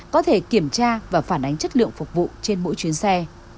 có thể kiểm tra và phản ánh chất lượng phục vụ trên mỗi chuyến xe